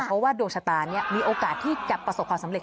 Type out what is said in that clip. เพราะว่าดวงชะตานี้มีโอกาสที่จะประสบความสำเร็